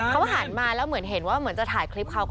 เขาหลงมาเห็นเหมือนจะถ่ายคลิปเขา